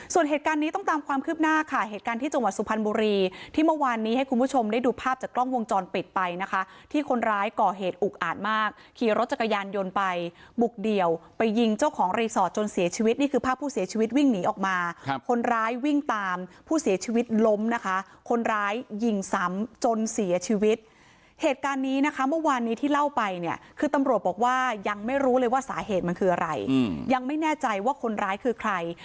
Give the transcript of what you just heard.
ส่วนเหตุการณ์นี้ต้องตามความคืบหน้าค่ะเหตุการณ์ที่จังหวัดสุพันบุรีที่เมื่อวานนี้ให้คุณผู้ชมได้ดูภาพจากกล้องวงจรปิดไปนะคะที่คนร้ายก่อเหตุอุกอาจมากขี่รถจักรยานยนต์ไปบุกเดี่ยวไปยิงเจ้าของรีสอร์ทจนเสียชีวิตนี่คือภาพผู้เสียชีวิตวิ่งหนีออกมาคนร้ายวิ่งตามผู้เสียชีวิตล้มนะคะคนร้ายย